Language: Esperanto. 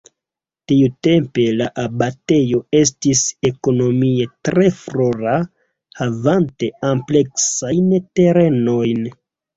Tiutempe la abatejo estis ekonomie tre flora havante ampleksajn terenojn.